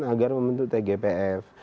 agar membentuk tgpf